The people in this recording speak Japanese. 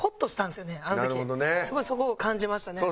すごいそこを感じましたね。